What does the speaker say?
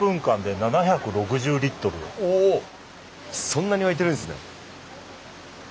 そんなに湧いてるんですね。